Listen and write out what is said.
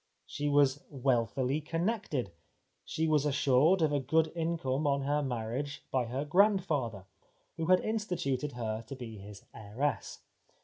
She was wealthily connected ; she was assured of a good income on her marriage by her grandfather, who had instituted her to be his heiress.